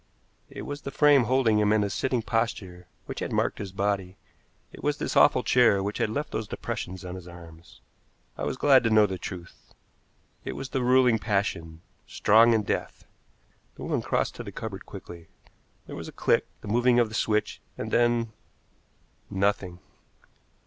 It was the frame holding him in a sitting posture which had marked his body it was this awful chair which had left those depressions on his arms. I was glad to know the truth. It was the ruling passion, strong in death. The woman crossed to the cupboard quickly. There was a click, the moving of the switch, and then nothing.